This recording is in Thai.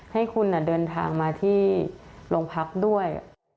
ให้คุณเดินทางมาที่โรงพักด้วย